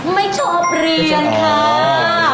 ไม่ชอบเรียนค่ะ